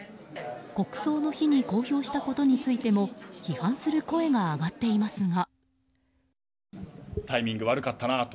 国葬の日に公表したことについても批判する声が上がっていますが。